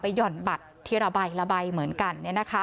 พาไปหย่อนบัตรที่ระบายระบายเหมือนกัน